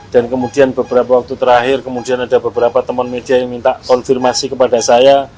dan kemudian beberapa waktu terakhir kemudian ada beberapa teman media yang minta konfirmasi kepada saya